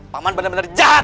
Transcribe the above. pak man benar benar jahat